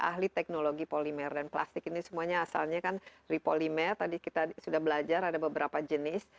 ahli teknologi polimer dan plastik ini semuanya asalnya kan ripolimer tadi kita sudah belajar ada beberapa jenis